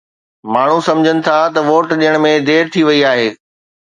ماڻهو سمجهن ٿا ته ووٽ ڏيڻ ۾ دير ٿي وئي آهي.